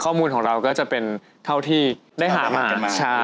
ข้อมูลของเราก็จะเป็นเท่าที่ได้หามา